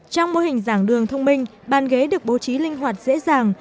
trong mô hình giảng đường thông minh bàn ghế được bố trí linh hoạt dễ dàng